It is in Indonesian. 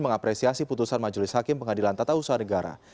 mengapresiasi putusan majelis hakim pengadilan tata usaha negara